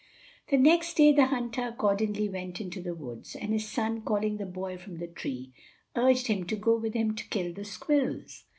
The next day the hunter accordingly went into the woods, and his son, calling the boy from the tree, urged him to go with him to kill the squirrels.